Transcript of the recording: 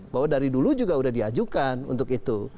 bahwa dari dulu juga sudah diajukan untuk itu